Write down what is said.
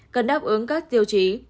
cần đáp ứng các tiêu chí